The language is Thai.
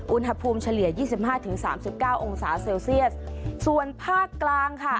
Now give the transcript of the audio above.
เฉลี่ยยี่สิบห้าถึงสามสิบเก้าองศาเซลเซียสส่วนภาคกลางค่ะ